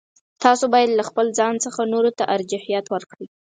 تاسو باید له خپل ځان څخه نورو ته ارجحیت ورکړئ.